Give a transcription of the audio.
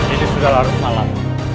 ini sudah larut malam